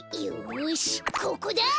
よしここだ！